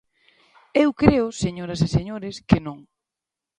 Eu creo, Señoras e señores, que non.